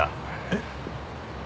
えっ？